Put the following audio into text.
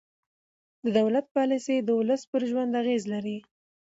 د دولت پالیسۍ د ولس پر ژوند اغېز لري